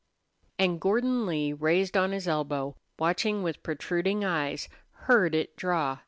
And Gordon Lee, raised on his elbow, watching with protruding eyes, heard it draw!